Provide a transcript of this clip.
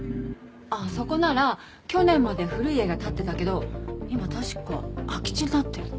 あっそこなら去年まで古い家が立ってたけど今確か空き地になってる。